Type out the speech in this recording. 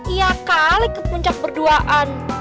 iya kali ke puncak berduaan